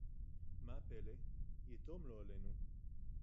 מָה הַפֶּלֶא? יָתוֹם, לֹא עָלֵינוּ